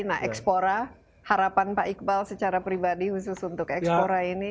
nah ekspora harapan pak iqbal secara pribadi khusus untuk ekspora ini